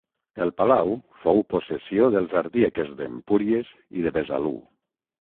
El palau fou possessió dels ardiaques d'Empúries i de Besalú.